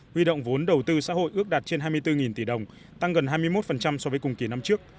huy động vốn đầu tư xã hội ước đạt trên hai mươi bốn tỷ đồng tăng gần hai mươi một so với cùng kỳ năm trước